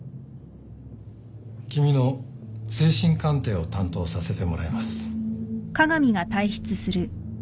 君の精神鑑定を担当させてもらいます。